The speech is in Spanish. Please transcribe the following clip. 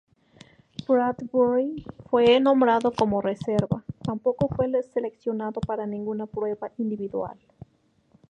Bradbury fue nombrado como reserva, tampoco fue seleccionado para ninguna prueba individual.